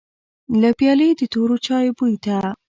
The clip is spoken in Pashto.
له پيالې د تورو چايو بوی ته.